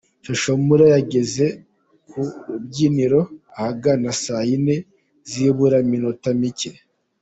Social Mula yageze ku rubyiniro ahagana saa yine zibura iminota mike.